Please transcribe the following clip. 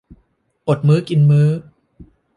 อดมื้อกินมื้อ